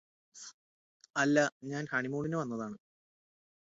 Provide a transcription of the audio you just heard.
അല്ലാ ഞാന് ഹണിമൂണിന് വന്നതാണ്